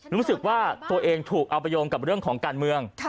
รู้สึกว่าตัวเองถูกเอาไปโยงกับเรื่องของการเมือง